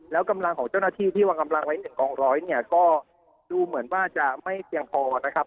แล้วกำลังของเจ้าหน้าที่ที่วางกำลังไว้หนึ่งกองร้อยเนี่ยก็ดูเหมือนว่าจะไม่เพียงพอนะครับ